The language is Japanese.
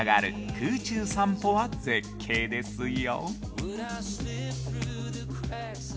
空中散歩は絶景ですよ。